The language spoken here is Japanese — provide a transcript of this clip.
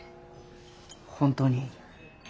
本当に？